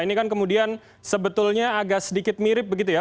ini kan kemudian sebetulnya agak sedikit mirip begitu ya